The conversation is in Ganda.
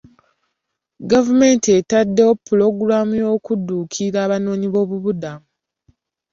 Gavumenti etaddewo pulogulaamu y'okudduukirira abanoonyi b'obubudamu.